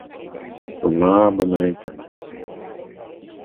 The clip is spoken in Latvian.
Laba meitene.